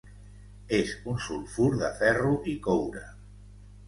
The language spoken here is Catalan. És un sulfur de ferro i coure.